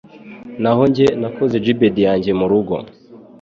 Naho njye nakoze gibbet yanjye murugo